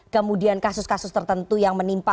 kemudian kasus kasus tertentu yang menimpa